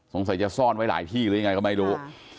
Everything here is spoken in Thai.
สงสัยจะซ่อนไว้หลายที่หรือยังไงก็ไม่รู้